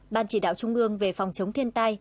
ban chỉ đạo trung ương về phòng chống thiên tai